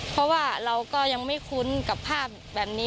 เพราะว่าเราก็ยังไม่คุ้นกับภาพแบบนี้